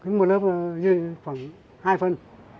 cứng một lớp như khoảng hai phân